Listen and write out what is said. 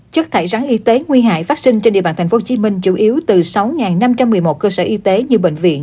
chất thải rắn y tế nguy hại phát sinh trên địa bàn tp hcm chủ yếu từ sáu năm trăm một mươi một cơ sở y tế như bệnh viện